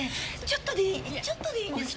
ちょっとでいいちょっとでいいんです。